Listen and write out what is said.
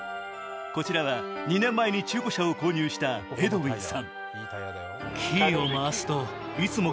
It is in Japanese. こちらは２年前に中古車を購入したエドウィンさん。